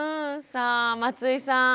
さあ松井さん。